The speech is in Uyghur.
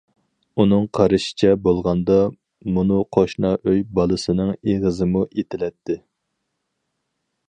ئۇنىڭ قارىشىچە بولغاندا مۇنۇ قوشنا ئۆي بالىسىنىڭ ئېغىزىمۇ ئېتىلەتتى.